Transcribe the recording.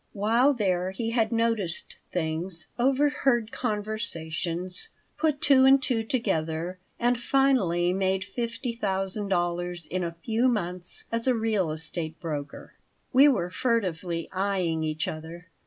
While there he had noticed things, overheard conversations, put two and two together, and finally made fifty thousand dollars in a few months as a real estate broker We were furtively eying each other.